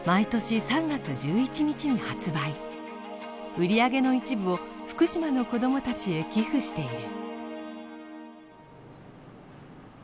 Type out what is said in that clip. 売り上げの一部を福島の子どもたちへ寄付している。